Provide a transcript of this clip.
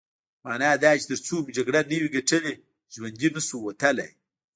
مانا دا چې ترڅو مو جګړه نه وي ګټلې ژوندي نه شو وتلای.